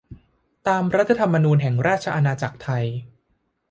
ตามรัฐธรรมนูญแห่งราชอาณาจักรไทย